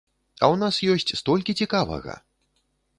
А ў нас ёсць столькі цікавага!